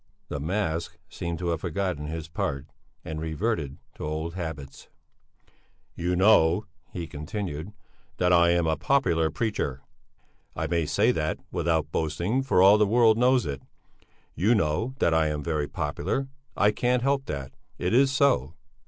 The mask seemed to have forgotten his part and reverted to old habits. "You know," he continued, "that I'm a popular preacher; I may say that without boasting, for all the world knows it. You know, that I'm very popular; I can't help that it is so!